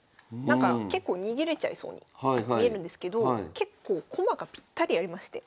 結構逃げれちゃいそうに見えるんですけど結構駒がぴったりありまして詰んじゃうんですよ。